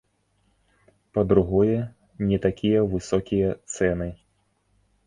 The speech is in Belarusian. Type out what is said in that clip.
Па-другое, не такія высокія цэны.